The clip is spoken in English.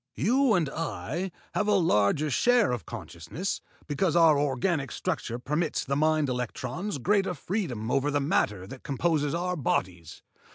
You and I have a larger share of consciousness, because our organic structure permits the mind electrons greater freedom over the matter than composes our bodies.